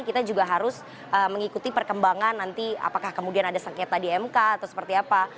kita juga harus mengikuti perkembangan nanti apakah kemudian ada sengketa di mk atau seperti apa